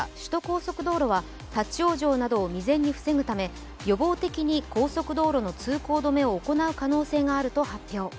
鉄道は立ち往生などを未然に防ぐため予防的に高速道路の通行止めを行う可能性があると発表。